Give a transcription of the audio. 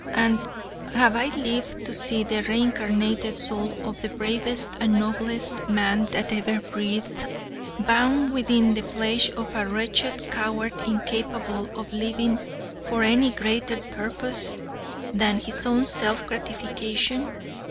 And have I lived to see the reincarnated soul of the bravest and noblest man that ever breathed, bound within the flesh of a wretched coward incapable of living for any greater purpose than his own self gratification?